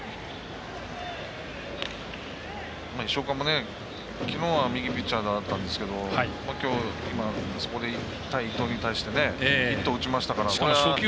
石岡も、きのうは右ピッチャーだったんですけどきょう、今、伊藤に対してヒットを打ちましたから。